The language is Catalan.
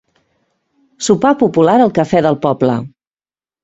Sopar popular al cafè del poble.